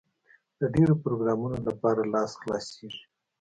د ډېرو پروګرامونو لپاره لاس خلاصېږي.